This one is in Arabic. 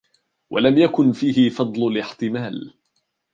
وَلَمْ يَكُنْ فِيهِ فَضْلُ الِاحْتِمَالِ